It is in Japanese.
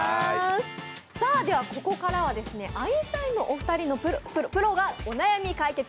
ここからはアインシュタインのお二人の、「プロがお悩み解決！